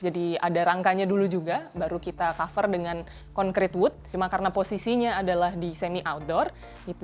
jadi ada rangkanya dulu juga baru kita cover dengan concrete wood cuma karena posisinya adalah di semi outdoor gitu